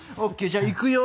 じゃあいくよ。